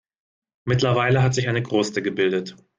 Mittlerweile hat sich eine Kruste gebildet.